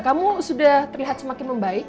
kamu sudah terlihat semakin membaik